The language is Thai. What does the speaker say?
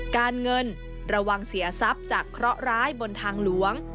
การเงินระวังเสียทรัพย์จากเคราะหร้ายบนทางหลวง